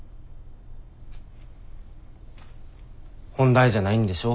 本題じゃないんでしょ？